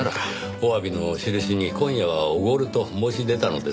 おわびの印に今夜はおごると申し出たのですがね